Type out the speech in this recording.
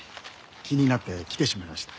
気になって来てしまいました。